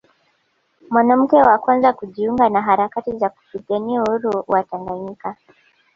mwanamke wa kwanza kujiunga na harakati za kupigania Uhuru wa Tanganyika